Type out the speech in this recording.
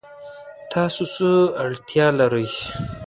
تاسو څه اړتیا لرئ؟